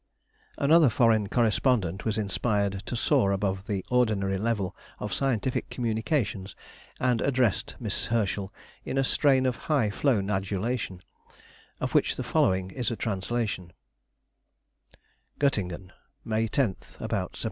_] Another foreign correspondent was inspired to soar above the ordinary level of scientific communications, and addressed Miss Herschel in a strain of high flown adulation, of which the following is a translation:— GÖTTINGEN, May 10, [about 1793.